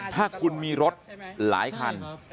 ถ้าคุณมีรถหลายคัน